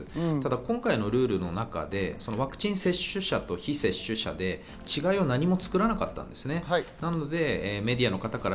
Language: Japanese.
ただ今回のルールの中で、ワクチン接種者と被接種者で違いを何も作らなかったんです。